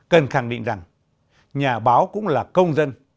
cần khẳng định rằng nhà báo cũng là công dân